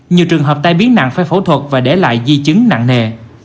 nhiều trường hợp tai biến nặng phải phẫu thuật và để lại di chứng nặng nề